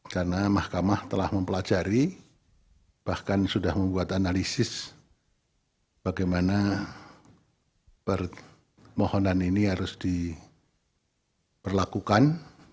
karena mahkamah telah mempelajari bahkan sudah membuat analisis bagaimana permohonan ini harus diperlakukan